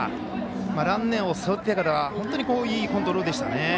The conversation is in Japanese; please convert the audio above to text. ランナーを背負っていながら本当にいいコントロールでしたね。